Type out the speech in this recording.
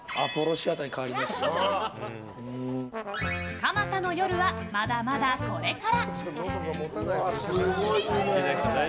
蒲田の夜は、まだまだこれから。